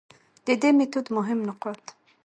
د دې ميتود مهم نقاط: